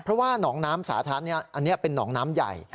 เพราะว่าหนองน้ำสาธารณะอันนี้เป็นหนองน้ำใหญ่